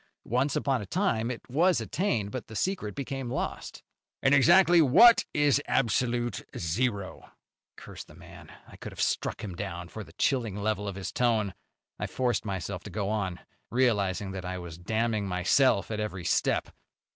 Once upon a time it was attained, but the secret became lost." "And exactly what is an absolute zero?" Curse the man! I could have struck him down for the chilling level of his tone. I forced myself to go on, realizing that I was damning myself at every step.